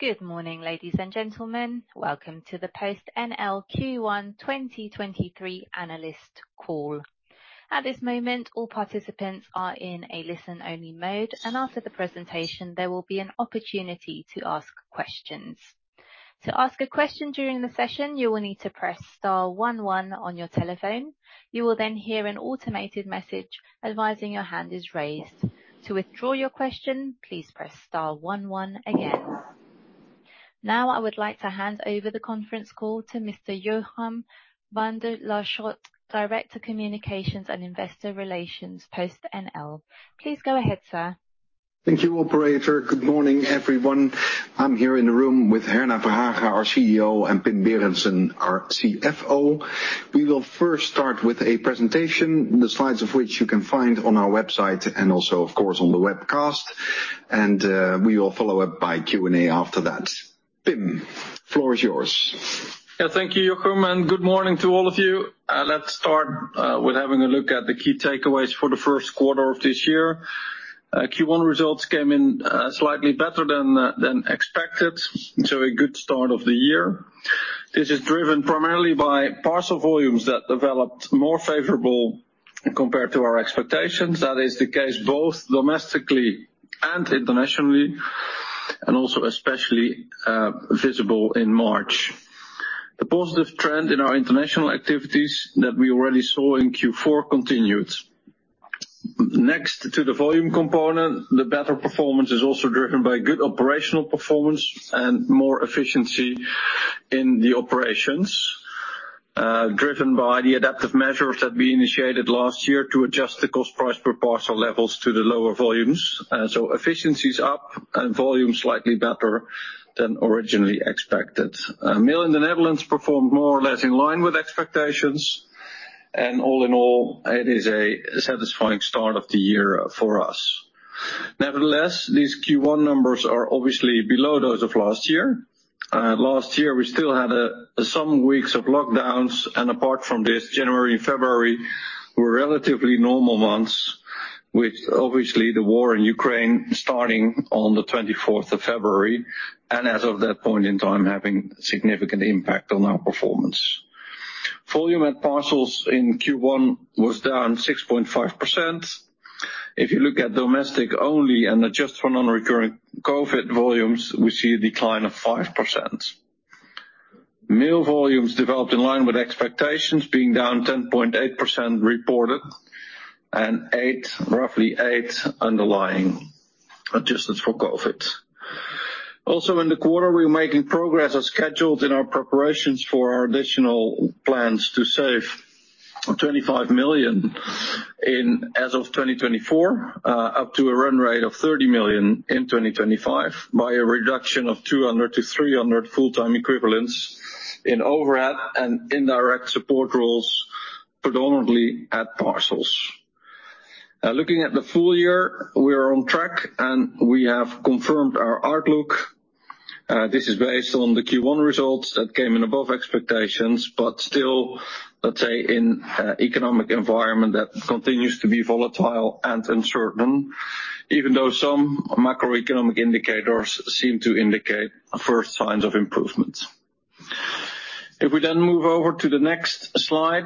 Good morning, ladies and gentlemen. Welcome to the PostNL Q1 2023 analyst call. At this moment, all participants are in a listen-only mode, and after the presentation, there will be an opportunity to ask questions. To ask a question during the session, you will need to press * one one on your telephone. You will then hear an automated message advising your hand is raised. To withdraw your question, please press * one one again. Now I would like to hand over the conference call to Mr. Jochem van de Laarschot, Director Communications and Investor Relations, PostNL. Please go ahead, sir. Thank you, operator. Good morning, everyone. I'm here in the room with Herna Verhagen, our CEO, and Pim Berendsen, our CFO. We will first start with a presentation, the slides of which you can find on our website and also, of course, on the webcast. We will follow up by Q&A after that. Pim, floor is yours. Yeah. Thank you, Jochem, and good morning to all of you. Let's start with having a look at the key takeaways for the first quarter of this year. Q1 results came in slightly better than expected, so a good start of the year. This is driven primarily by parcel volumes that developed more favorable compared to our expectations. That is the case both domestically and internationally, and also especially visible in March. The positive trend in our international activities that we already saw in Q4 continued. Next to the volume component, the better performance is also driven by good operational performance and more efficiency in the operations, driven by the adaptive measures that we initiated last year to adjust the cost price per parcel levels to the lower volumes. Efficiency's up and volume slightly better than originally expected. Mail in the Netherlands performed more or less in line with expectations. All in all, it is a satisfying start of the year for us. Nevertheless, these Q1 numbers are obviously below those of last year. Last year we still had some weeks of lockdowns. Apart from this, January and February were relatively normal months with obviously the war in Ukraine starting on the 24th of February. As of that point in time, having significant impact on our performance. Volume at parcels in Q1 was down 6.5%. If you look at domestic only and adjust for non-recurring COVID volumes, we see a decline of 5%. Mail volumes developed in line with expectations being down 10.8% reported. 8, roughly 8 underlying adjusted for COVID. Also in the quarter, we're making progress as scheduled in our preparations for our additional plans to save 25 million in as of 2024, up to a run rate of 30 million in 2025 by a reduction of 200-300 full-time equivalents in overhead and indirect support roles, predominantly at Parcels. Looking at the full year, we are on track, and we have confirmed our outlook. This is based on the Q1 results that came in above expectations but still, let's say, in economic environment that continues to be volatile and uncertain, even though some macroeconomic indicators seem to indicate first signs of improvement. If we then move over to the next slide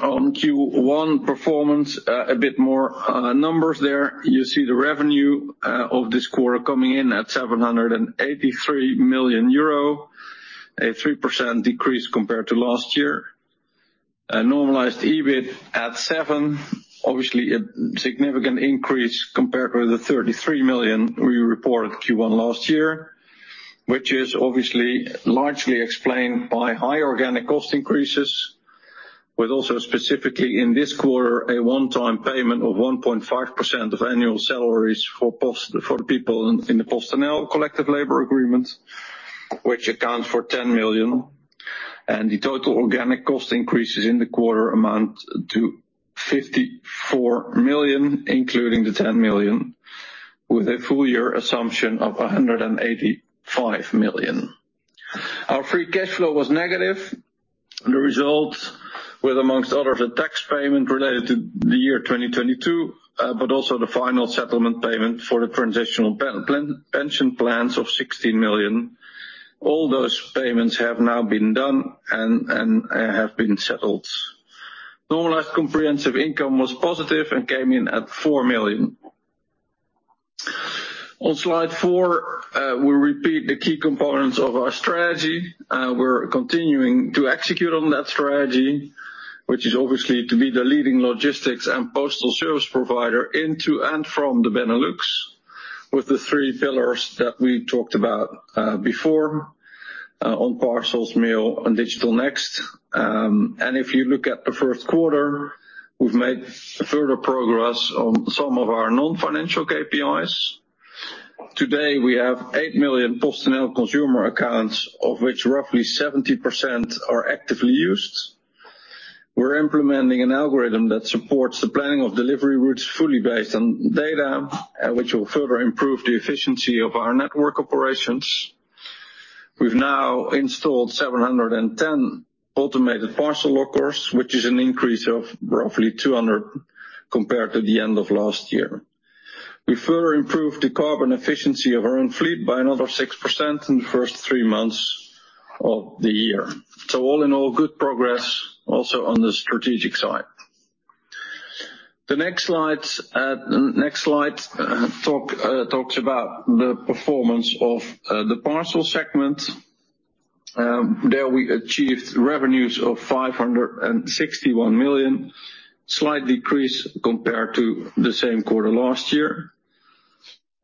on Q1 performance, a bit more numbers there. You see the revenue, of this quarter coming in at 783 million euro, a 3% decrease compared to last year. A normalized EBIT at 7 million, obviously a significant increase compared with the 33 million we reported Q1 last year, which is obviously largely explained by high organic cost increases with also specifically in this quarter a one-time payment of 1.5% of annual salaries for the people in the PostNL collective labor agreement, which accounts for 10 million. The total organic cost increases in the quarter amount to 54 million, including the 10 million, with a full year assumption of 185 million. Our free cash flow was negative, the result with amongst others, a tax payment related to the year 2022, but also the final settlement payment for the transitional pension plans of 16 million. All those payments have now been done and have been settled. Normalized comprehensive income was positive and came in at 4 million. On slide 4, we repeat the key components of our strategy. We're continuing to execute on that strategy, which is obviously to be the leading logistics and postal service provider into and from the Benelux with the three pillars that we talked about before on parcels, mail and Digital Next. If you look at the first quarter, we've made further progress on some of our non-financial KPIs. Today, we have 8 million PostNL consumer accounts, of which roughly 70% are actively used. We're implementing an algorithm that supports the planning of delivery routes fully based on data, which will further improve the efficiency of our network operations. We've now installed 710 automated parcel lockers, which is an increase of roughly 200 compared to the end of last year. We further improved the carbon efficiency of our own fleet by another 6% in the first three months of the year. All in all, good progress also on the strategic side. The next slide talks about the performance of the parcel segment. There we achieved revenues of 561 million, slight decrease compared to the same quarter last year.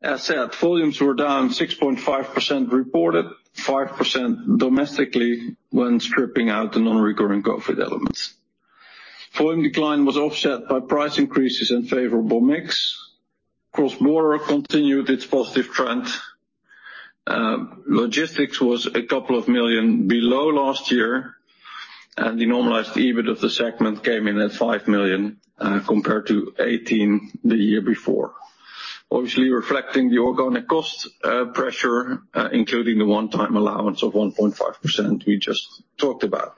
As said, volumes were down 6.5% reported, 5% domestically when stripping out the non-reoccurring COVID elements. Volume decline was offset by price increases and favorable mix. Cross-border continued its positive trend. Logistics was a couple of million below last year, and the normalised EBIT of the segment came in at 5 million, compared to 18 million the year before. Obviously, reflecting the organic cost pressure, including the one-time allowance of 1.5% we just talked about,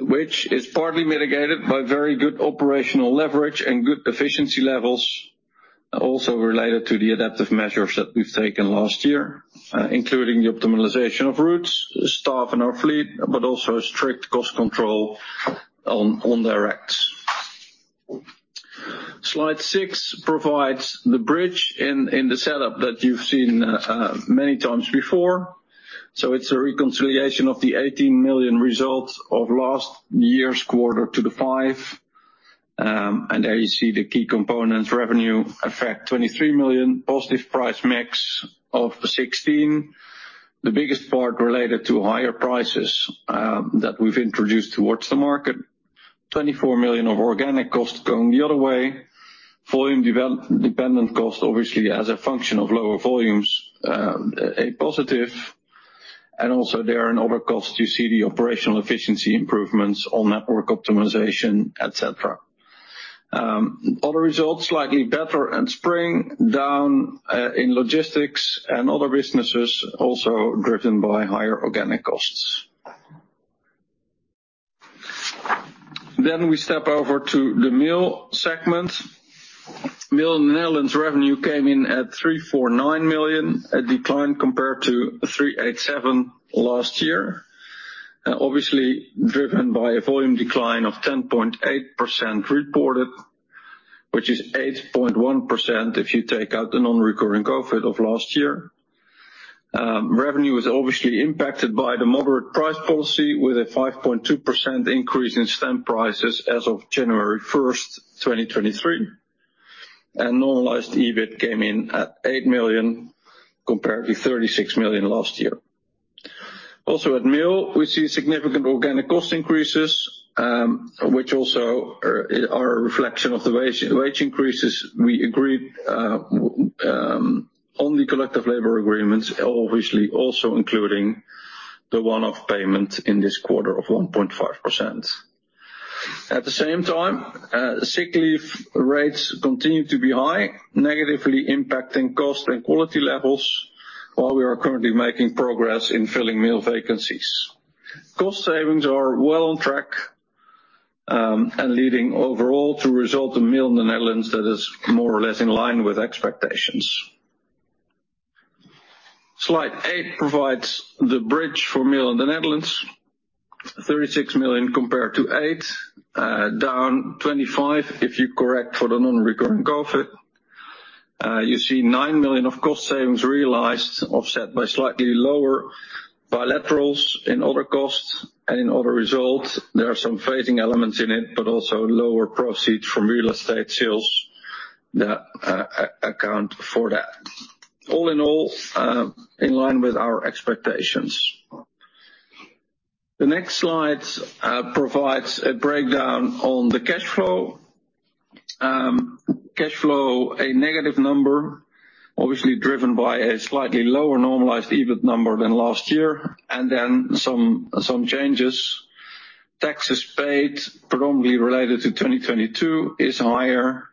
which is partly mitigated by very good operational leverage and good efficiency levels, also related to the adaptive measures that we've taken last year, including the optimization of routes, staff in our fleet, but also strict cost control on directs. Slide 6 provides the bridge in the setup that you've seen many times before. It's a reconciliation of the 18 million results of last year's quarter to the 5 million. There you see the key components, revenue effect 23 million, positive price mix of 16 million. The biggest part related to higher prices that we've introduced towards the market. 24 million of organic costs going the other way. Volume-dependent cost, obviously, as a function of lower volumes, a positive. Also, there in other costs, you see the operational efficiency improvements on network optimization, et cetera. Other results, slightly better in Spring, down in logistics and other businesses, also driven by higher organic costs. We step over to the Mail segment. Mail Netherlands revenue came in at 349 million, a decline compared to 387 million last year. Obviously driven by a volume decline of 10.8% reported, which is 8.1% if you take out the non-recurring COVID of last year. Revenue is obviously impacted by the moderate price policy with a 5.2% increase in stamp prices as of January 1st, 2023. Normalised EBIT came in at 8 million, compared to 36 million last year. Also at Mail, we see significant organic cost increases, which also are a reflection of the wage increases we agreed on the collective labour agreements, obviously also including the one-off payment in this quarter of 1.5%. At the same time, sick leave rates continue to be high, negatively impacting cost and quality levels while we are currently making progress in filling Mail vacancies. Cost savings are well on track, and leading overall to result in Mail in the Netherlands that is more or less in line with expectations. Slide 8 provides the bridge for Mail in the Netherlands. 36 million compared to 8 million, down 25% if you correct for the non-recurring COVID. You see 9 million of cost savings realized, offset by slightly lower bilaterals in other costs and in other results. There are some phasing elements in it, but also lower proceeds from real estate sales that account for that. All in all, in line with our expectations. The next slide provides a breakdown on the cash flow. Cash flow, a negative number, obviously driven by a slightly lower normalized EBIT number than last year, some changes. Taxes paid, predominantly related to 2022, is higher.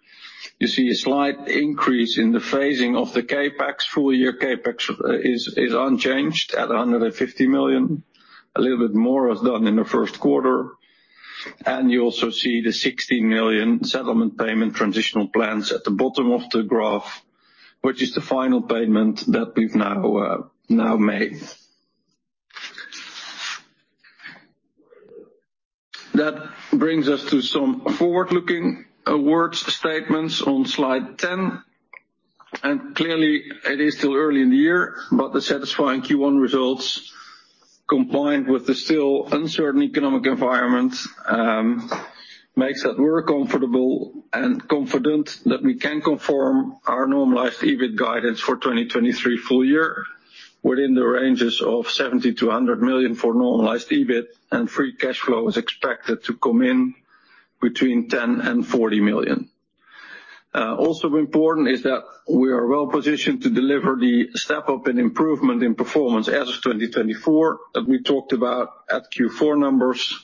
You see a slight increase in the phasing of the CapEx. Full year CapEx is unchanged at 150 million. A little bit more was done in the first quarter. You also see the 60 million settlement payment transitional plans at the bottom of the graph, which is the final payment that we've now made. That brings us to some forward-looking awards statements on slide 10. Clearly, it is still early in the year, but the satisfying Q1 results, combined with the still uncertain economic environment, makes that we're comfortable and confident that we can confirm our normalized EBIT guidance for 2023 full year within the ranges of 70 million-100 million for normalized EBIT, and free cash flow is expected to come in between 10 million and 40 million. Also important is that we are well-positioned to deliver the step-up and improvement in performance as of 2024 that we talked about at Q4 numbers.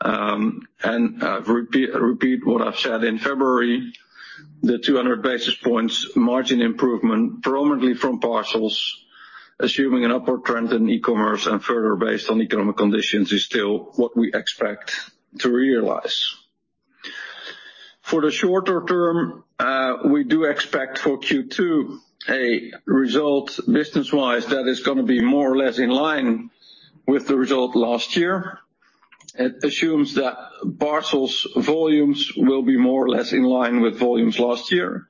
I repeat what I've said in February, the 200 basis points margin improvement, predominantly from parcels, assuming an upward trend in e-commerce and further based on economic conditions, is still what we expect to realize. For the shorter term, we do expect for Q2 a result business-wise that is going to be more or less in line with the result last year. It assumes that parcels volumes will be more or less in line with volumes last year.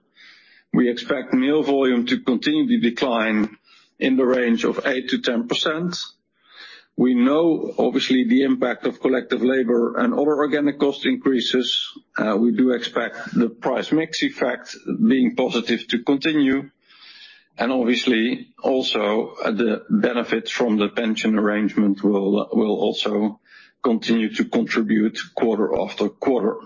We expect mail volume to continue to decline in the range of 8%-10%. We know obviously the impact of collective labour and other organic cost increases. We do expect the price mix effect being positive to continue, and obviously also the benefits from the pension arrangement will also continue to contribute quarter after quarter.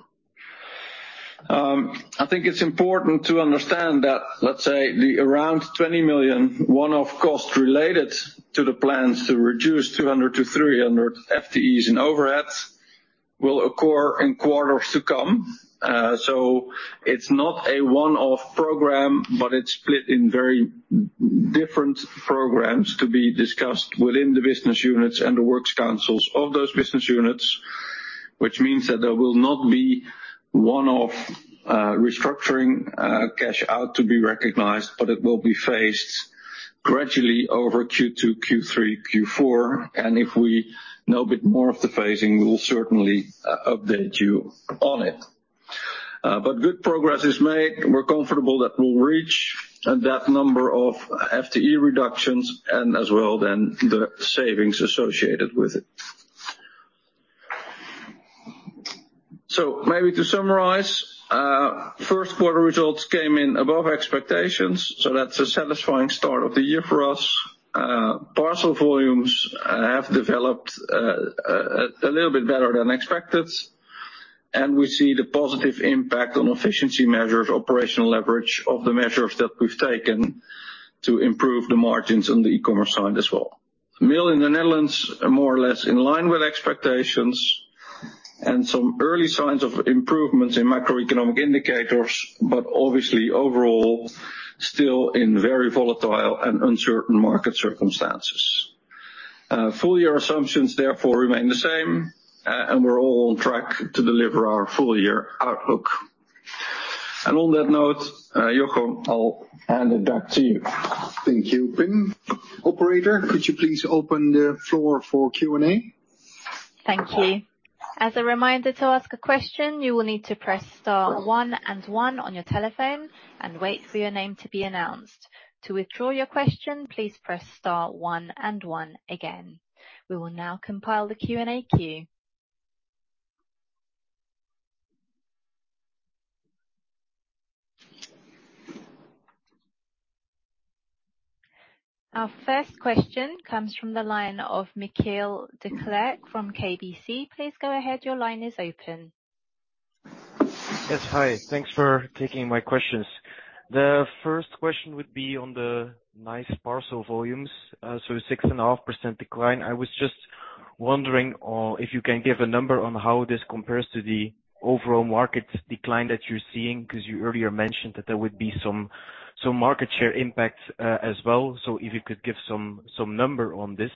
I think it's important to understand that 20 million one-off costs related to the plans to reduce 200-300 FTEs in overheads will occur in quarters to come. It's not a one-off program, but it's split in very different programs to be discussed within the business units and the works councils of those business units, which means that there will not be one-off restructuring cash out to be recognized, but it will be phased gradually over Q2, Q3, Q4. If we know a bit more of the phasing, we will certainly update you on it. Good progress is made. We're comfortable that we'll reach that number of FTE reductions and as well then the savings associated with it. Maybe to summarize, first quarter results came in above expectations, so that's a satisfying start of the year for us. Parcel volumes have developed a little bit better than expected, and we see the positive impact on efficiency measures, operational leverage of the measures that we've taken to improve the margins on the e-commerce side as well. Mail in the Netherlands are more or less in line with expectations and some early signs of improvements in macroeconomic indicators, but obviously overall still in very volatile and uncertain market circumstances. Full year assumptions therefore remain the same, and we're all on track to deliver our full year outlook. On that note, Yoko, I'll hand it back to you. Thank you, Pim. Operator, could you please open the floor for Q&A? Thank you. As a reminder to ask a question, you will need to press * one and one on your telephone and wait for your name to be announced. To withdraw your question, please press * one and one again. We will now compile the Q&A queue. Our first question comes from the line of Michiel Declercq from KBC. Please go ahead, your line is open. Yes. Hi. Thanks for taking my questions. The first question would be on the nice parcel volumes, so 6.5% decline. I was just wondering if you can give a number on how this compares to the overall market decline that you're seeing, 'cause you earlier mentioned that there would be some market share impact as well. If you could give some number on this.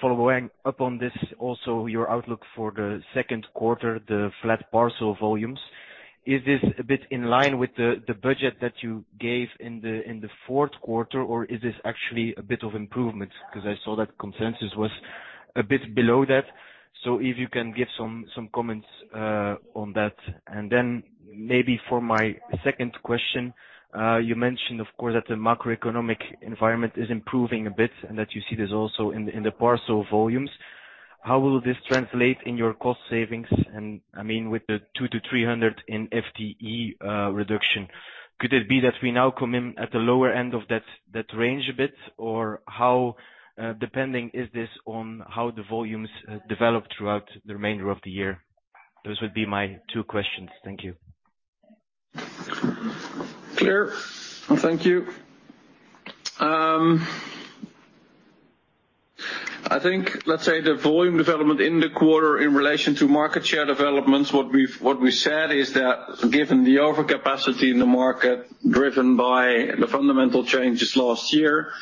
Following up on this also your outlook for the second quarter, the flat parcel volumes. Is this a bit in line with the budget that you gave in the fourth quarter, or is this actually a bit of improvement? 'Cause I saw that consensus was a bit below that. If you can give some comments on that. Maybe for my second question, you mentioned of course, that the macroeconomic environment is improving a bit and that you see this also in the parcel volumes. How will this translate in your cost savings? I mean with the 200-300 in FTE reduction. Could it be that we now come in at the lower end of that range a bit? How depending is this on how the volumes develop throughout the remainder of the year? Those would be my two questions. Thank you. Clear. Thank you. I think, let's say the volume development in the quarter in relation to market share developments, what we said is that given the overcapacity in the market driven by the fundamental changes last year,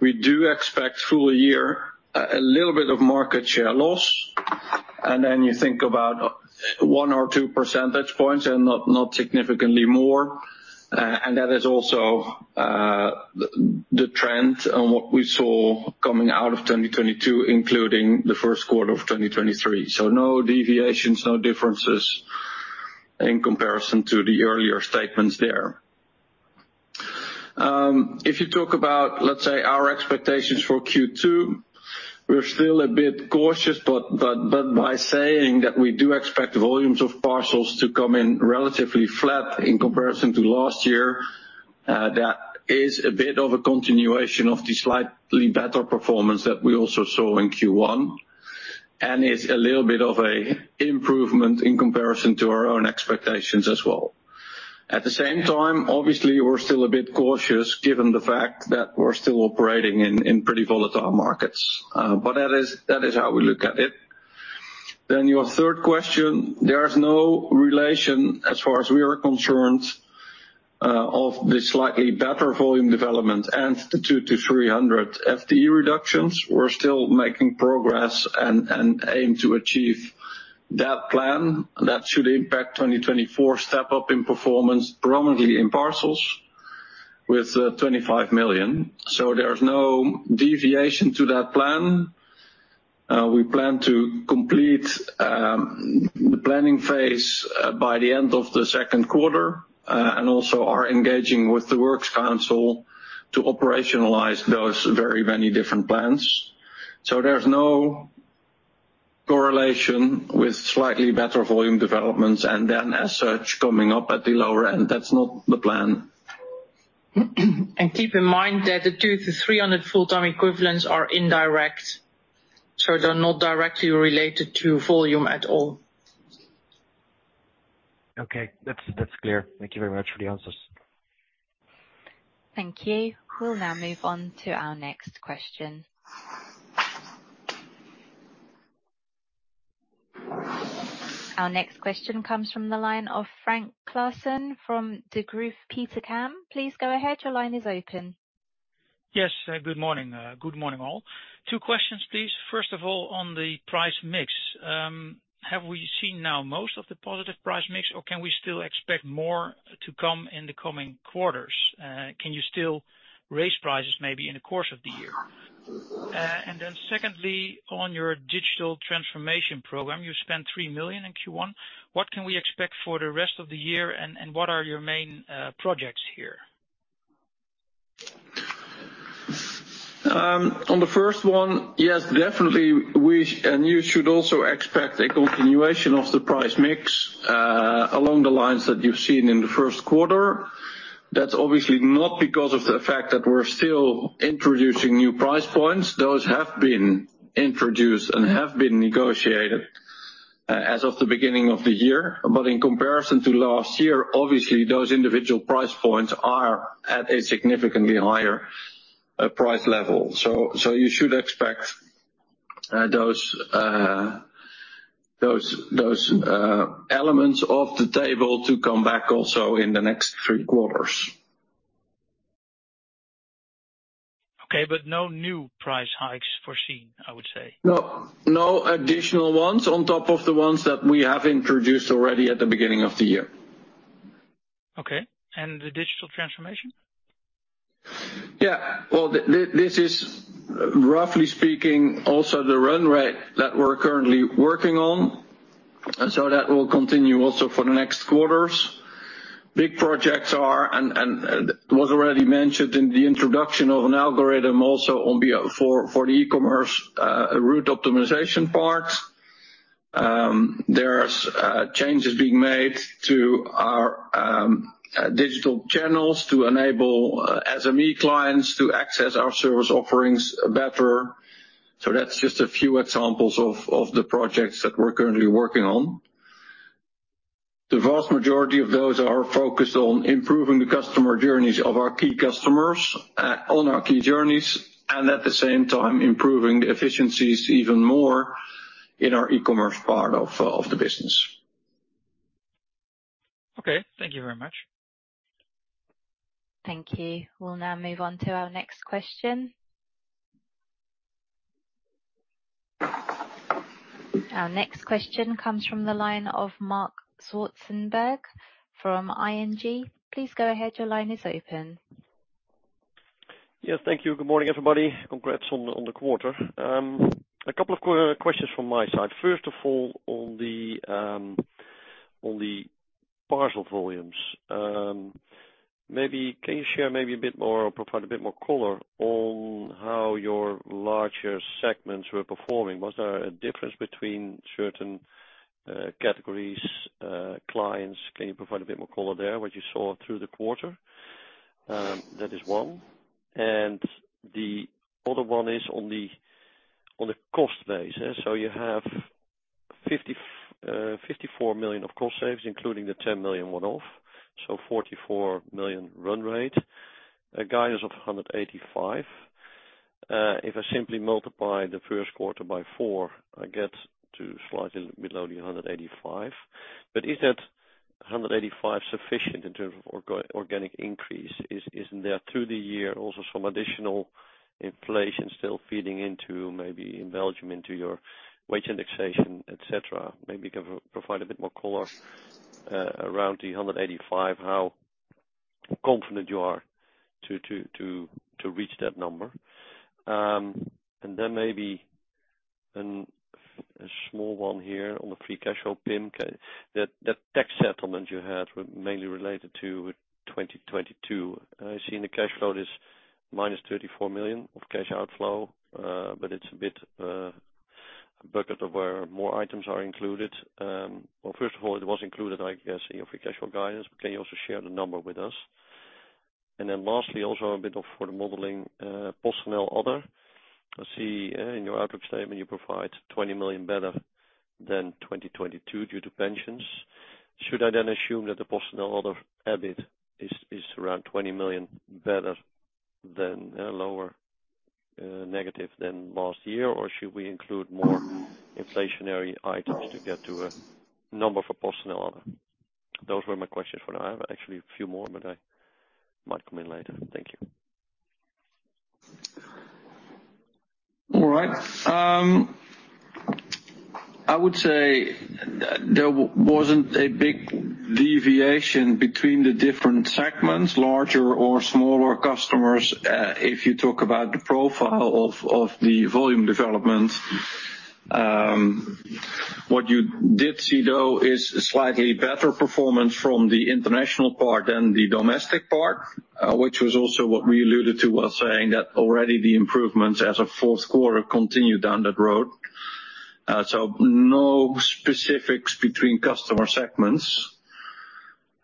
we do expect full year a little bit of market share loss. You think about 1 or 2 percentage points and not significantly more. That is also the trend on what we saw coming out of 2022, including the first quarter of 2023. No deviations, no differences in comparison to the earlier statements there. If you talk about, let's say, our expectations for Q2, we're still a bit cautious, but by saying that we do expect volumes of parcels to come in relatively flat in comparison to last year, that is a bit of a continuation of the slightly better performance that we also saw in Q1, and it's a little bit of an improvement in comparison to our own expectations as well. At the same time, obviously, we're still a bit cautious given the fact that we're still operating in pretty volatile markets. That is how we look at it. Your third question, there is no relation as far as we are concerned, of the slightly better volume development and the 2-300 FTE reductions. We're still making progress and aim to achieve that plan that should impact 2024 step up in performance, prominently in parcels with 25 million. There is no deviation to that plan. We plan to complete the planning phase by the end of the second quarter and also are engaging with the works council to operationalize those very many different plans. There's no correlation with slightly better volume developments and then as such, coming up at the lower end, that's not the plan. Keep in mind that the 200-300 full-time equivalents are indirect, so they're not directly related to volume at all. Okay. That's clear. Thank you very much for the answers. Thank you. We'll now move on to our next question. Our next question comes from the line of Frank Claassen from Degroof Petercam. Please go ahead. Your line is open. Yes. Good morning. Good morning, all. Two questions, please. First of all, on the price mix, have we seen now most of the positive price mix, or can we still expect more to come in the coming quarters? Can you still raise prices maybe in the course of the year? Secondly, on your digital transformation program, you spent 3 million in Q1. What can we expect for the rest of the year and what are your main projects here? On the first one, yes, definitely, we and you should also expect a continuation of the price mix along the lines that you've seen in the first quarter. That's obviously not because of the fact that we're still introducing new price points. Those have been introduced and have been negotiated as of the beginning of the year. In comparison to last year, obviously those individual price points are at a significantly higher price level. You should expect those elements off the table to come back also in the next three quarters. Okay, no new price hikes foreseen, I would say. No, no additional ones on top of the ones that we have introduced already at the beginning of the year. Okay. The digital transformation? Yeah. Well, this is roughly speaking, also the run rate that we're currently working on. That will continue also for the next quarters. Big projects are and it was already mentioned in the introduction of an algorithm also for the e-commerce route optimization part. There's changes being made to our digital channels to enable SME clients to access our service offerings better. That's just a few examples of the projects that we're currently working on. The vast majority of those are focused on improving the customer journeys of our key customers on our key journeys, and at the same time improving the efficiencies even more in our e-commerce part of the business. Okay, thank you very much. Thank you. We'll now move on to our next question. Our next question comes from the line of Marc Zwartsenburg from ING. Please go ahead. Your line is open. Yes, thank you. Good morning, everybody. Congrats on the quarter. A couple of questions from my side. First of all, on the parcel volumes, maybe can you share a bit more or provide a bit more color on how your larger segments were performing? Was there a difference between certain categories, clients? Can you provide a bit more color there, what you saw through the quarter? That is one. The other one is on a cost basis. You have 54 million of cost savings, including the 10 million one-off, so 44 million run rate. A guidance of 185 million. If I simply multiply the first quarter by 4, I get to slightly below the 185 million. Is that 185 million sufficient in terms of organic increase? Is, isn't there through the year, also some additional inflation still feeding into maybe in Belgium into your wage indexation, et cetera? Maybe you can provide a bit more color around the 185, how confident you are to reach that number. Maybe a small one here on the free cash flow, Pim. That tax settlement you had was mainly related to 2022. I see in the cash flow, it is -34 million of cash outflow, but it's a bit a bucket of where more items are included. Well, first of all, it was included, I guess, in your free cash flow guidance. Can you also share the number with us? Lastly, also a bit of for the modeling, personnel other. I see, in your outlook statement you provide 20 million better than 2022 due to pensions. Should I assume that the personnel other EBIT is around 20 million better than, lower, negative than last year? Should we include more inflationary items to get to a number for personnel other? Those were my questions for now. I have actually a few more, but I might come in later. Thank you. All right. I would say there wasn't a big deviation between the different segments, larger or smaller customers, if you talk about the profile of the volume development. What you did see though is a slightly better performance from the international part than the domestic part, which was also what we alluded to while saying that already the improvements as of fourth quarter continued down that road. No specifics between customer segments,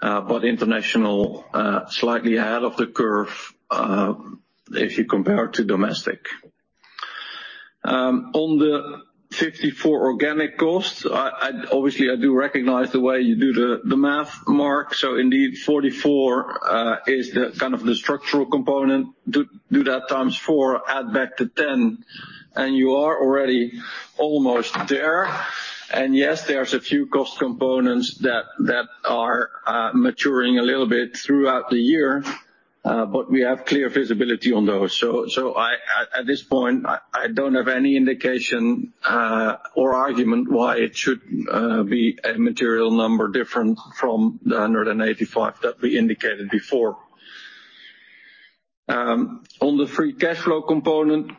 but international, slightly ahead of the curve, if you compare to domestic. On the 54 organic costs, I obviously recognize the way you do the math, Marc. Indeed 44 is the kind of the structural component. Do that times 4, add back to 10, and you are already almost there. Yes, there's a few cost components that are maturing a little bit throughout the year, but we have clear visibility on those. At this point, I don't have any indication or argument why it should be a material number different from the 185 that we indicated before. On the free cash flow component,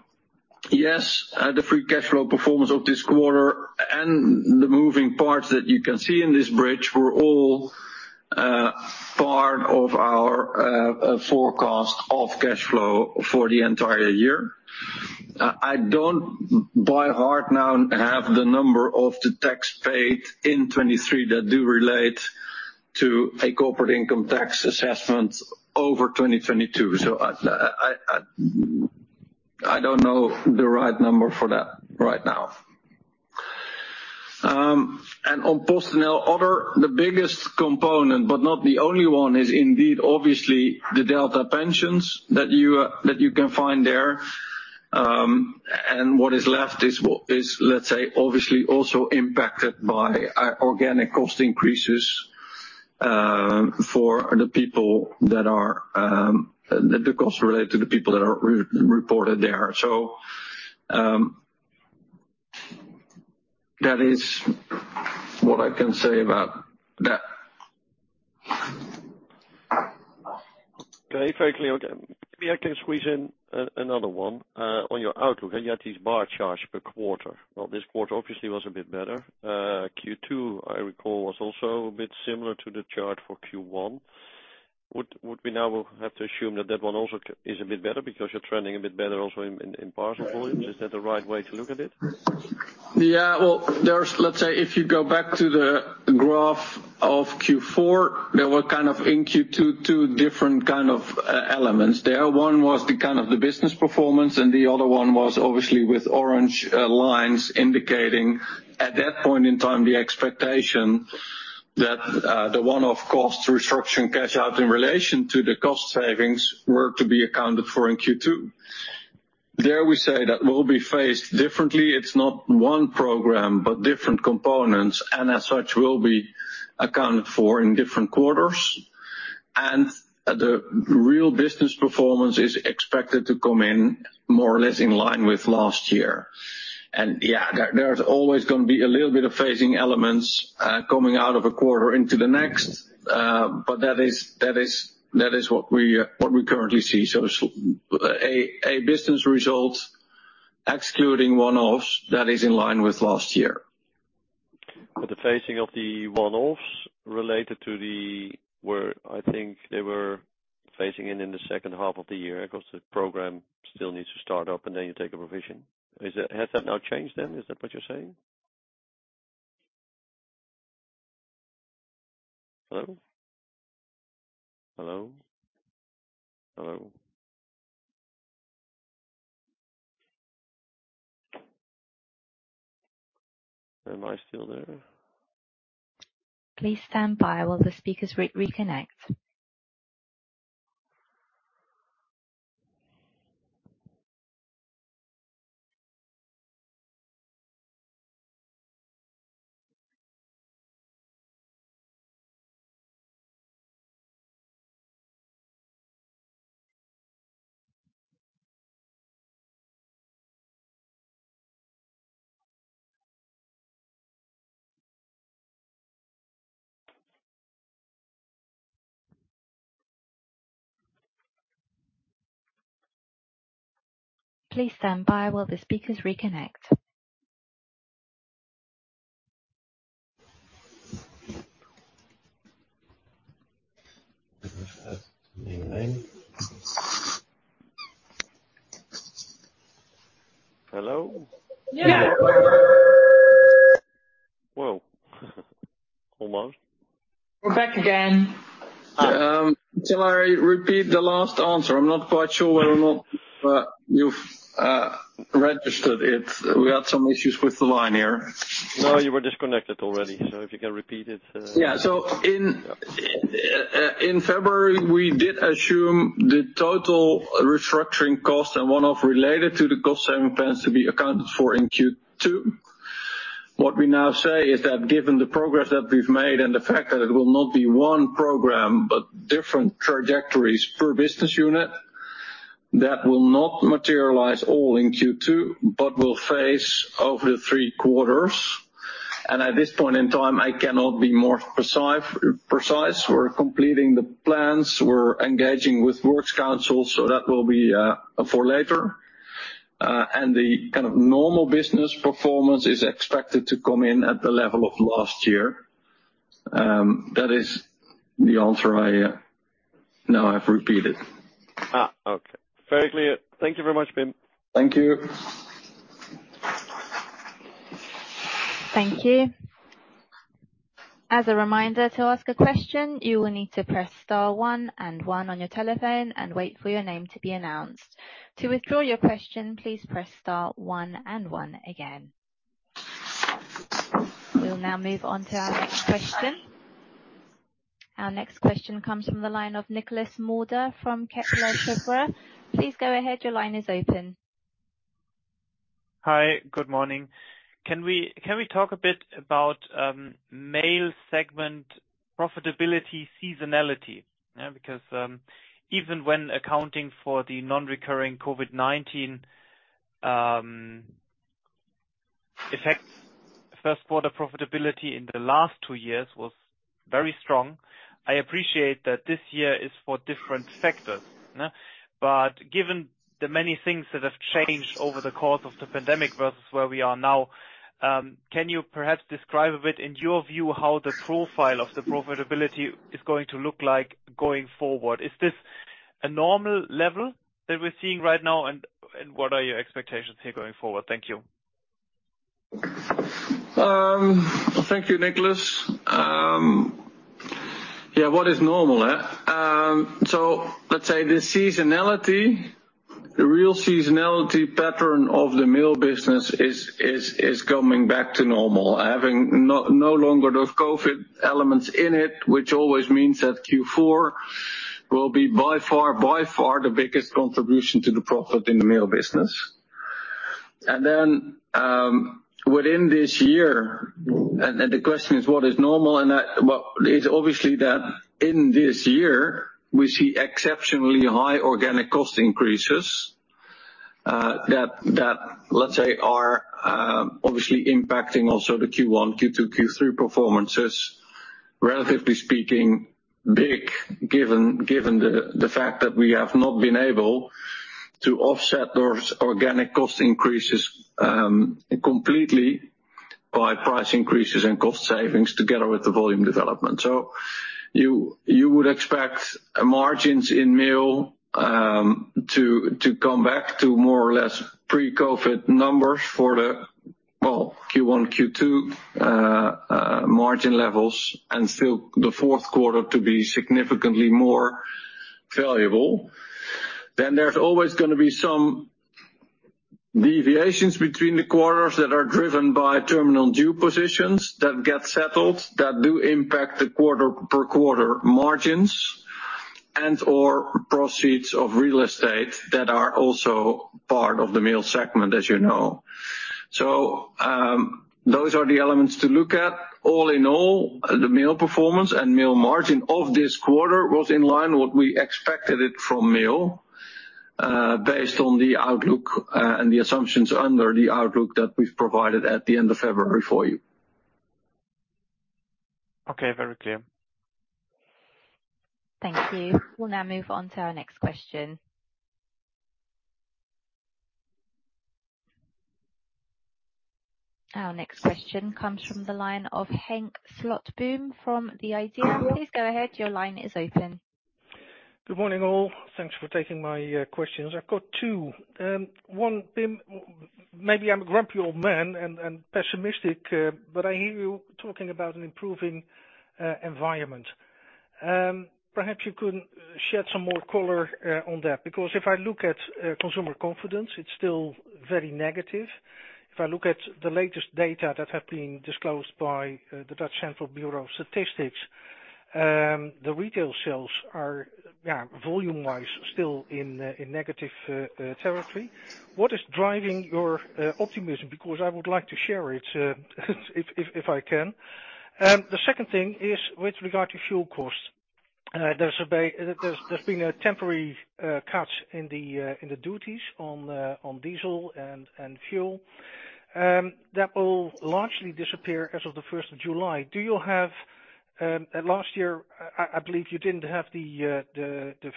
yes, the free cash flow performance of this quarter and the moving parts that you can see in this bridge were all part of our forecast of cash flow for the entire year. I don't by heart now have the number of the tax paid in 2023 that do relate to a corporate income tax assessment over 2022. I don't know the right number for that right now. On personnel other, the biggest component, but not the only one, is indeed obviously the delta pensions that you can find there. What is left is, let's say, obviously, also impacted by organic cost increases for the people that are. The costs related to people that are re-reported there. That is what I can say about that. Okay. Very clear. Okay. Maybe I can squeeze in another one. On your outlook, you had these bar charts per quarter. This quarter obviously was a bit better. Q2, I recall, was also a bit similar to the chart for Q1. Would we now have to assume that that one also is a bit better because you're trending a bit better also in parcel volumes? Is that the right way to look at it? Yeah. Well, let's say if you go back to the graph of Q4, there were kind of in Q2 2 different kind of e-elements there. 1 was the kind of the business performance, and the other one was obviously with orange lines indicating at that point in time the expectation that the one-off cost restructuring cash out in relation to the cost savings were to be accounted for in Q2. Dare we say that will be phased differently. It's not 1 program, but different components, and as such, will be accounted for in different quarters. The real business performance is expected to come in more or less in line with last year. Yeah, there's always gonna be a little bit of phasing elements coming out of a quarter into the next. That is what we currently see. A business result excluding one-offs, that is in line with last year. The phasing of the one-offs related to the... I think they were phasing in in the second half of the year 'cause the program still needs to start up, and then you take a provision. Has that now changed then? Is that what you're saying? Hello? Am I still there? Please stand by while the speakers reconnect. Please stand by while the speakers reconnect. Hello? Yeah. Whoa. Almost. We're back again. Shall I repeat the last answer? I'm not quite sure whether or not you've registered it. We had some issues with the line here. No, you were disconnected already, so if you can repeat it. Yeah. In February, we did assume the total restructuring cost and one-off related to the cost-saving plans to be accounted for in Q2. What we now say is that given the progress that we've made and the fact that it will not be one program but different trajectories per business unit, that will not materialize all in Q2, but will phase over the three quarters. At this point in time, I cannot be more precise. We're completing the plans. We're engaging with works council, that will be for later. The kind of normal business performance is expected to come in at the level of last year. That is the answer I now have repeated. Okay. Very clear. Thank you very much, Pim. Thank you. Thank you. As a reminder, to ask a question, you will need to press * 1 and 1 on your telephone and wait for your name to be announced. To withdraw your question, please press * 1 and 1 again. We'll now move on to our next question. Our next question comes from the line of Andre Mulder from Kepler Cheuvreux. Please go ahead. Your line is open. Hi. Good morning. Can we talk a bit about mail segment profitability seasonality? Even when accounting for the non-recurring COVID-19 effects, first quarter profitability in the last two years was very strong. I appreciate that this year is for different factors, but given the many things that have changed over the course of the pandemic versus where we are now, can you perhaps describe a bit, in your view, how the profile of the profitability is going to look like going forward? Is this a normal level that we're seeing right now, and what are your expectations here going forward? Thank you. Thank you, Andre Mulder. Yeah, what is normal, eh? Let's say the seasonality, the real seasonality pattern of the mail business is coming back to normal. Having no longer those COVID elements in it, which always means that Q4 will be by far the biggest contribution to the profit in the mail business. Within this year, and the question is what is normal. Well, it's obviously that in this year we see exceptionally high organic cost increases that, let's say, are obviously impacting also the Q1, Q2, Q3 performances, relatively speaking, big, given the fact that we have not been able to offset those organic cost increases completely by price increases and cost savings together with the volume development. You would expect margins in mail to come back to more or less pre-COVID numbers for the Q1, Q2 margin levels, and still the fourth quarter to be significantly more valuable. There's always gonna be some deviations between the quarters that are driven by terminal dues positions that get settled, that do impact the quarter per quarter margins and/or proceeds of real estate that are also part of the mail segment, as you know. Those are the elements to look at. All in all, the mail performance and mail margin of this quarter was in line what we expected it from mail based on the outlook and the assumptions under the outlook that we've provided at the end of February for you. Okay. Very clear. Thank you. We'll now move on to our next question. Our next question comes from the line of Henk Slotboom from the IDEA!. Please go ahead. Your line is open. Good morning, all. Thanks for taking my questions. I've got two. One, Pim, maybe I'm a grumpy old man and pessimistic, I hear you talking about an improving environment. Perhaps you could shed some more color on that, because if I look at consumer confidence, it's still very negative. If I look at the latest data that have been disclosed by the Dutch Central Bureau of Statistics, the retail sales are, yeah, volume-wise, still in negative territory. What is driving your optimism? I would like to share it if I can. The second thing is with regard to fuel cost. There's been a temporary cut in the duties on diesel and fuel. That will largely disappear as of the first of July. Last year, I believe you didn't have the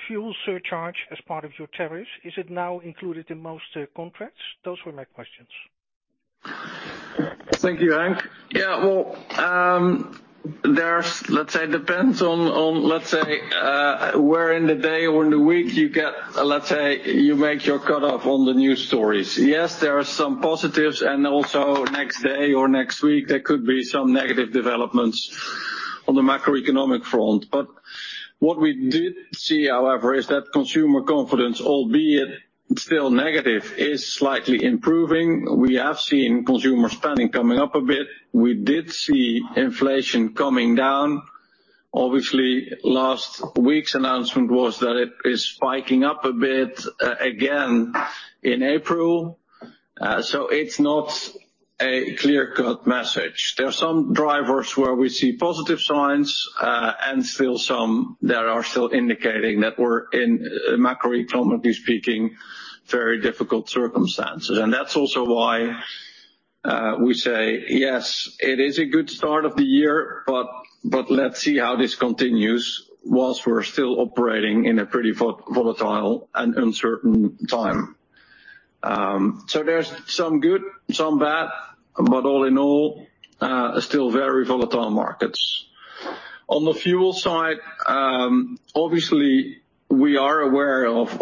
fuel surcharge as part of your tariffs. Is it now included in most contracts? Those were my questions. Thank you, Hank. Yeah, well, depends on where in the day or in the week you get, you make your cutoff on the news stories. There are some positives and also next day or next week, there could be some negative developments on the macroeconomic front. What we did see, however, is that consumer confidence, albeit still negative, is slightly improving. We have seen consumer spending coming up a bit. We did see inflation coming down. Obviously, last week's announcement was that it is spiking up a bit again in April. It's not a clear-cut message. There are some drivers where we see positive signs and still some that are indicating that we're in, macroeconomically speaking, very difficult circumstances. That's also why we say, yes, it is a good start of the year, but let's see how this continues whilst we're still operating in a pretty volatile and uncertain time. There's some good, some bad, but all in all, still very volatile markets. On the fuel side, obviously, we are aware of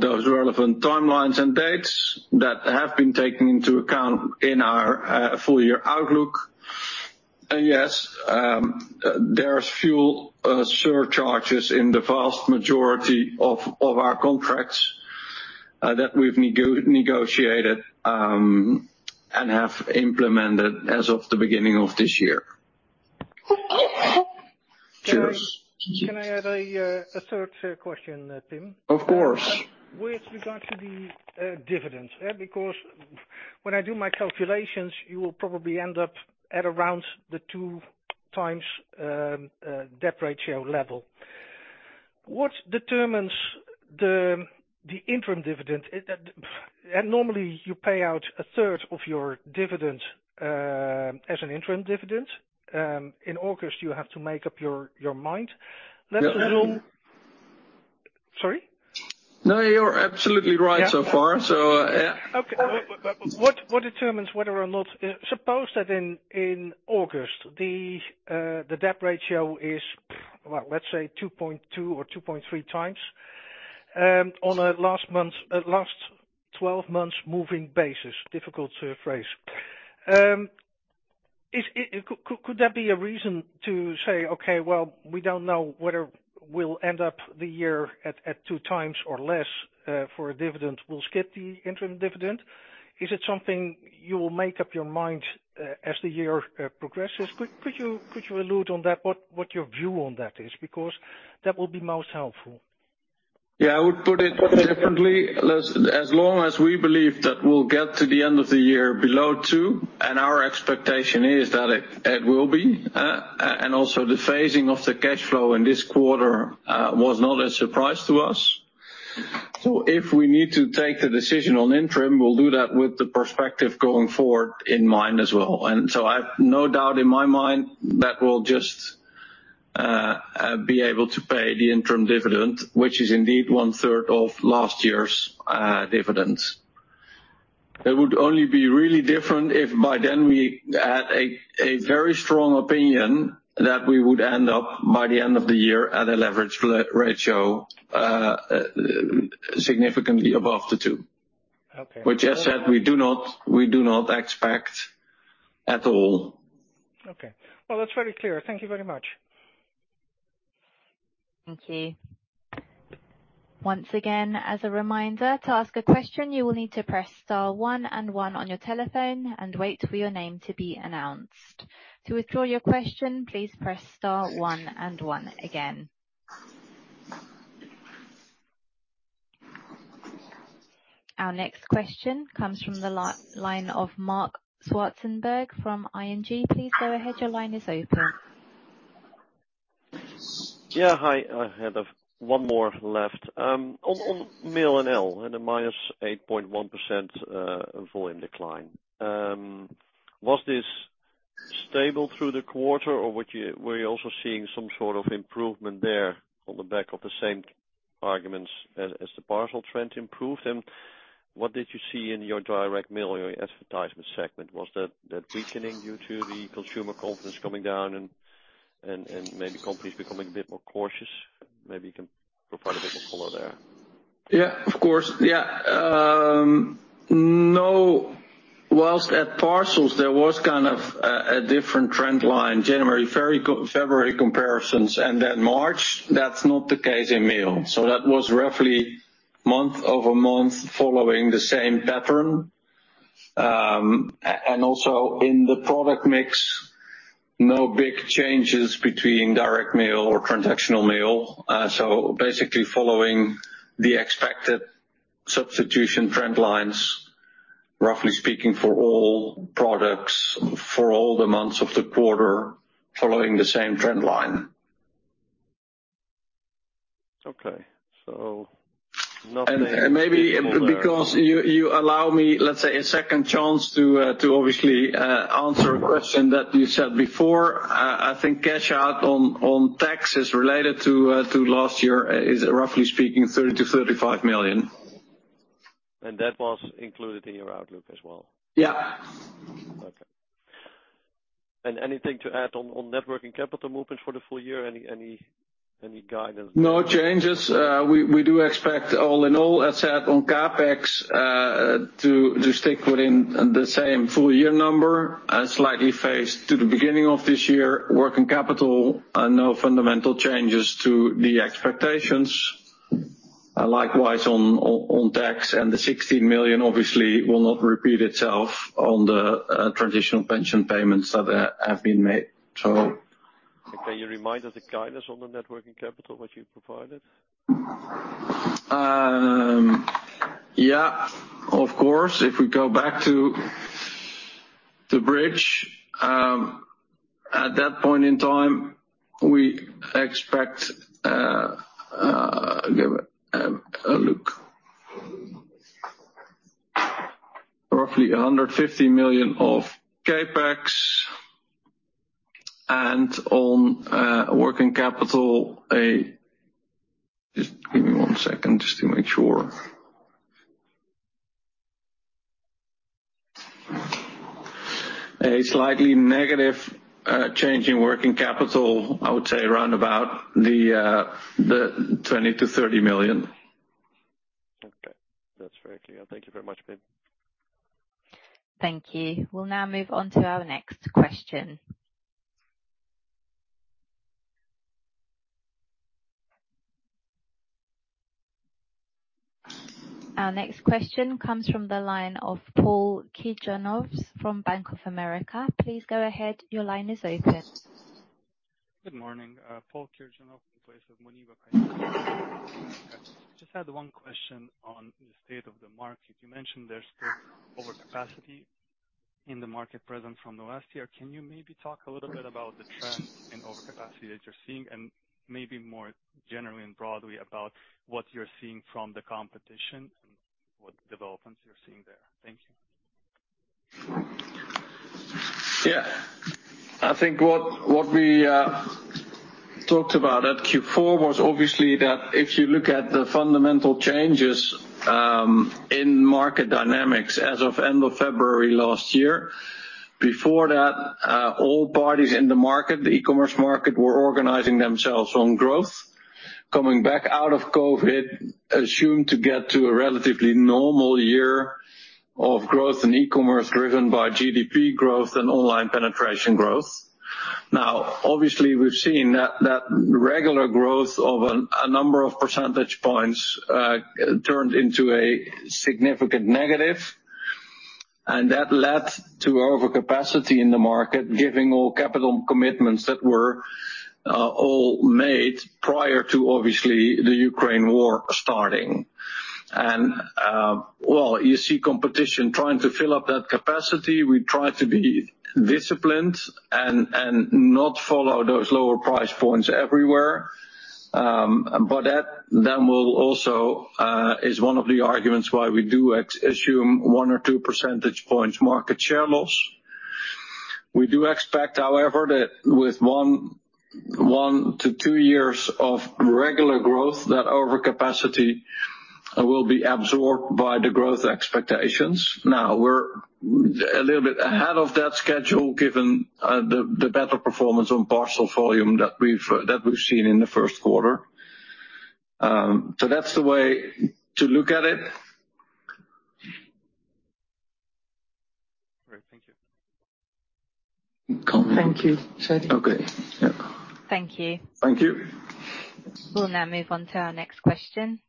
those relevant timelines and dates that have been taken into account in our full year outlook. Yes, there's fuel surcharges in the vast majority of our contracts that we've negotiated and have implemented as of the beginning of this year. Cheers. Can I add a third question, Pim? Of course. With regard to the dividends, because when I do my calculations, you will probably end up at around the 2 times debt ratio level. What determines the interim dividend? Normally, you pay out a third of your dividend as an interim dividend. In August, you have to make up your mind. Let's assume. Yeah. Sorry? No, you're absolutely right so far. Yeah. Okay. What determines whether or not, suppose that in August, the debt ratio is, well, let's say 2.2 or 2.3 times on a last 12 months moving basis. Difficult to phrase. Could that be a reason to say, "Okay, well, we don't know whether we'll end up the year at 2 times or less for a dividend. We'll skip the interim dividend"? Is it something you will make up your mind as the year progresses? Could you allude on that, what your view on that is? Because that would be most helpful. Yeah. I would put it differently. As long as we believe that we'll get to the end of the year below 2, and our expectation is that it will be, and also the phasing of the cash flow in this quarter, was not a surprise to us. If we need to take the decision on interim, we'll do that with the perspective going forward in mind as well. I have no doubt in my mind that we'll just be able to pay the interim dividend, which is indeed one-third of last year's dividend. It would only be really different if by then we had a very strong opinion that we would end up by the end of the year at a leverage ratio significantly above the 2. Okay. I said we do not expect at all. Okay. Well, that's very clear. Thank you very much. Thank you. Once again, as a reminder, to ask a question, you will need to press * one and one on your telephone and wait for your name to be announced. To withdraw your question, please press * one and one again. Our next question comes from the line of Marc Zwartsenburg from ING. Please go ahead, your line is open. Yeah. Hi. I had one more left. On Mail NL and a -8.1% volume decline. Was this stable through the quarter? Or were you also seeing some sort of improvement there on the back of the same arguments as the parcel trend improved? What did you see in your direct mail or your advertisement segment? Was that weakening due to the consumer confidence coming down and maybe companies becoming a bit more cautious? Maybe you can provide a bit more color there. Yeah, of course. Yeah. No, whilst at parcels, there was kind of a different trend line, January, very February comparisons, then March, that's not the case in mail. That was roughly month-over-month following the same pattern. Also in the product mix, no big changes between direct mail or transactional mail. Basically following the expected substitution trend lines, roughly speaking, for all products for all the months of the quarter following the same trend line. Okay. nothing. Maybe because you allow me, let's say, a second chance to obviously answer a question that you said before, I think cash out on taxes related to last year is roughly speaking 30 million-35 million. That was included in your outlook as well? Yeah. Okay. Anything to add on net working capital movement for the full year? Any guidance? No changes. We do expect all in all, as said on CapEx, to stick within the same full year number and slightly phased to the beginning of this year. Working capital, no fundamental changes to the expectations. Likewise on tax and the 60 million obviously will not repeat itself on the traditional pension payments that have been made, so. Can you remind us the guidance on the net working capital, what you provided? Yeah, of course. If we go back to the bridge, at that point in time, we expect, give it a look. Roughly EUR 150 million of CapEx. On working capital, just give me one second just to make sure. A slightly negative change in working capital, I would say around about the 20-30 million. Okay. That's very clear. Thank you very much, Pim. Thank you. We'll now move on to our next question. Our next question comes from the line of Paul Kijianowski from Bank of America. Please go ahead. Your line is open. Good morning. Paul Kijianowski in place of Moin V Al-Kadhim. Just had 1 question on the state of the market. You mentioned there's still overcapacity in the market present from the last year. Can you maybe talk a little bit about the trend in overcapacity that you're seeing? Maybe more generally and broadly about what you're seeing from the competition and what developments you're seeing there? Thank you. Yeah. I think what we talked about at Q4 was obviously that if you look at the fundamental changes in market dynamics as of end of February last year, before that, all parties in the market, the e-commerce market, were organizing themselves on growth. Coming back out of COVID, assumed to get to a relatively normal year of growth in e-commerce driven by GDP growth and online penetration growth. Now, obviously we've seen that regular growth of a number of percentage points turned into a significant negative, and that led to overcapacity in the market, giving all capital commitments that were all made prior to obviously the Ukraine War starting. Well, you see competition trying to fill up that capacity. We try to be disciplined and not follow those lower price points everywhere. That will also is one of the arguments why we do assume 1 or 2 percentage points market share loss. We do expect, however, that with 1 to 2 years of regular growth, that overcapacity will be absorbed by the growth expectations. Now, we're a little bit ahead of that schedule, given the better performance on parcel volume that we've seen in the first quarter. That's the way to look at it. All right. Thank you. Thank you. Sorry. Okay. Yep. Thank you. Thank you. We'll now move on to our next question.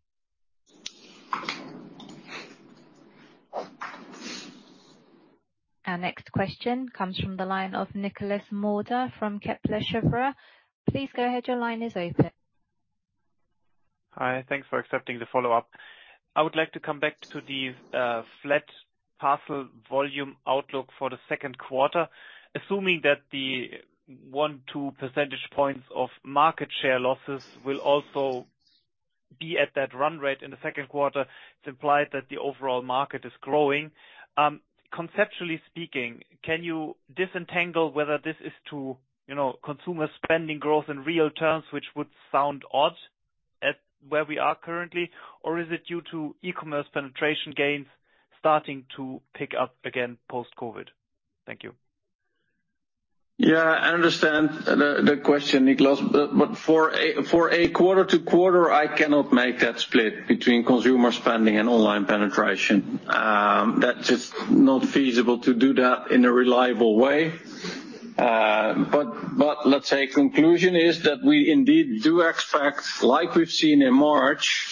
Our next question comes from the line of Andre Mulder from Kepler Cheuvreux. Please go ahead. Your line is open. Hi. Thanks for accepting the follow-up. I would like to come back to the flat parcel volume outlook for the second quarter. Assuming that the 1, 2 percentage points of market share losses will also be at that run rate in the second quarter, it's implied that the overall market is growing. Conceptually speaking, can you disentangle whether this is to, you know, consumer spending growth in real terms, which would sound odd at where we are currently? Or is it due to e-commerce penetration gains starting to pick up again post-COVID? Thank you. Yeah, I understand the question, Nicholas. But for a quarter to quarter, I cannot make that split between consumer spending and online penetration. That's just not feasible to do that in a reliable way. But let's say conclusion is that we indeed do expect, like we've seen in March,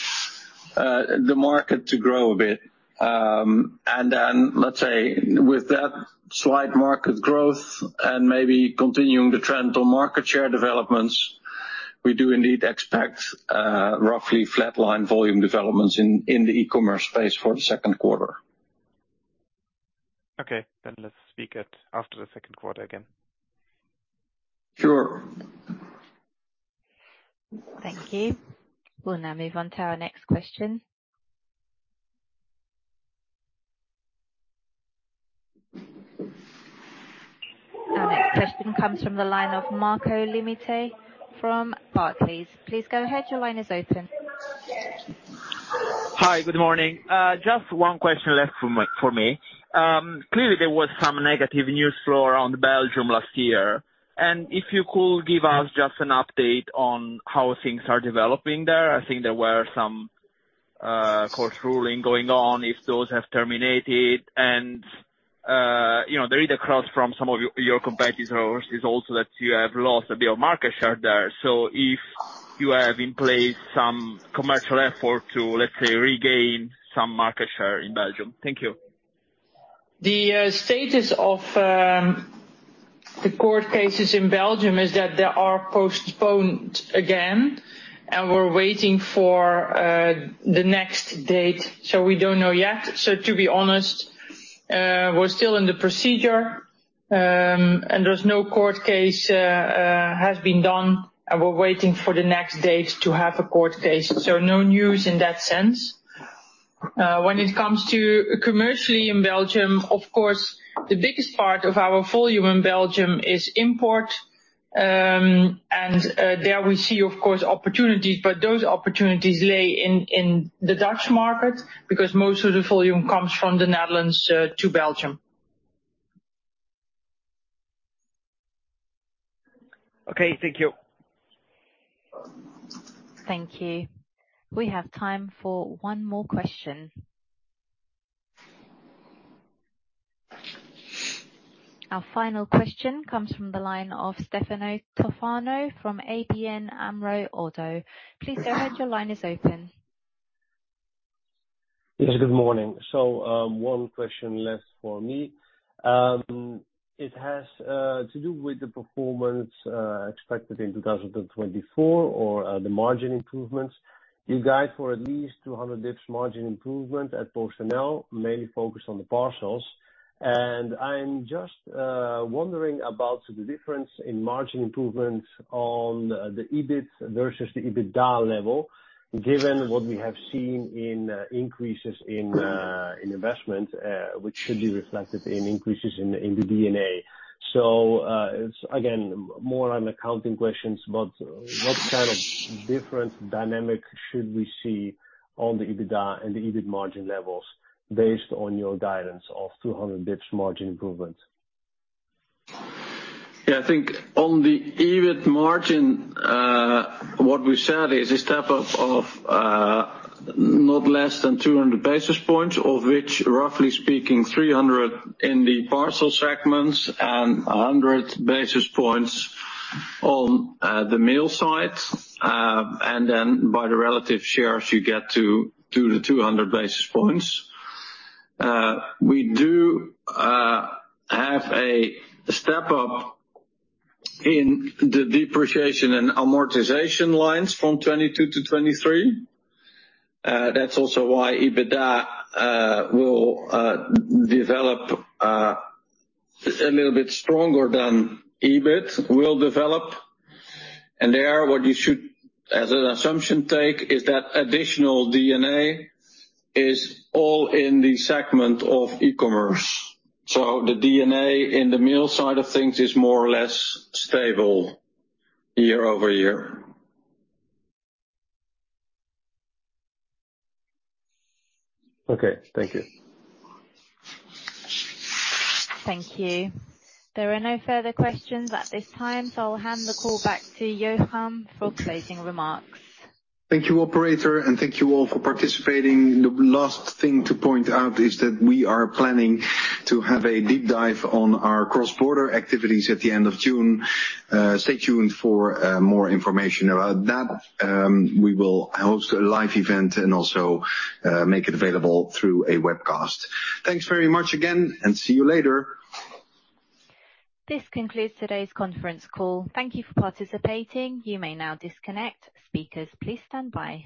the market to grow a bit. Let's say with that slight market growth and maybe continuing the trend on market share developments, we do indeed expect, roughly flatline volume developments in the e-commerce space for the second quarter. Okay. let's speak at, after the second quarter again. Sure. Thank you. We'll now move on to our next question. Our next question comes from the line of Marco Limite from Barclays. Please go ahead. Your line is open. Hi. Good morning. Just one question left for me. Clearly there was some negative news flow around Belgium last year. If you could give us just an update on how things are developing there. I think there were some court ruling going on, if those have terminated? you know, the read-across from some of your competitors is also that you have lost a bit of market share there. If you have in place some commercial effort to, let's say, regain some market share in Belgium? Thank you. The status of the court cases in Belgium is that they are postponed again, and we're waiting for the next date. We don't know yet. To be honest, we're still in the procedure, and there's no court case has been done, and we're waiting for the next date to have a court case. No news in that sense. When it comes to commercially in Belgium, of course, the biggest part of our volume in Belgium is import. There we see of course opportunities, but those opportunities lay in the Dutch market because most of the volume comes from the Netherlands to Belgium. Okay. Thank you. Thank you. We have time for one more question. Our final question comes from the line of Stefano Toffano from ABN AMRO ODDO. Please go ahead. Your line is open. Yes, good morning. One question less for me. It has to do with the performance expected in 2024 or the margin improvements. You guide for at least 200 bps margin improvement at PostNL, mainly focused on the parcels. I'm just wondering about the difference in margin improvements on the EBIT versus the EBITDA level, given what we have seen in increases in investment, which should be reflected in increases in the DNA. It's again, more on accounting questions, but what kind of different dynamics should we see on the EBITDA and the EBIT margin levels based on your guidance of 200 bps margin improvement? Yeah. I think on the EBIT margin, what we said is a step up of not less than 200 basis points, of which roughly speaking 300 in the parcel segments and 100 basis points on the mail side. Then by the relative shares you get to the 200 basis points. We do have a step up in the depreciation and amortization lines from 22 to 23. That's also why EBITDA will develop a little bit stronger than EBIT will develop. There what you should as an assumption take is that additional DNA is all in the segment of e-commerce. The DNA in the mail side of things is more or less stable year-over-year. Okay. Thank you. Thank you. There are no further questions at this time, so I'll hand the call back to Jochem for closing remarks. Thank you, operator, and thank you all for participating. The last thing to point out is that we are planning to have a deep dive on our Cross-border activities at the end of June. Stay tuned for more information about that. We will host a live event and also make it available through a webcast. Thanks very much again, and see you later. This concludes today's conference call. Thank you for participating. You may now disconnect. Speakers, please stand by.